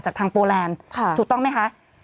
จากทางโปแลนด์ถูกต้องไหมคะ